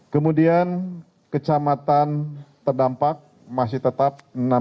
kemudian kecamatan terdampak masih tetap enam